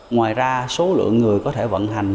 ngoài ra số lượng người có thể vận hành